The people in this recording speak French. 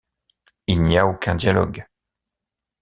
Il n'y a aucun dialogue.